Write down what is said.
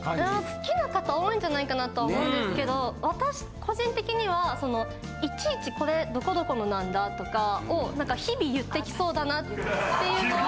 好きな方多いんじゃないかなとは思うんですけど私個人的にはいちいちこれどこどこのなんだとかを日々言ってきそうだなっていうのを。